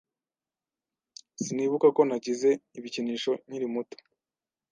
Sinibuka ko nagize ibikinisho nkiri muto.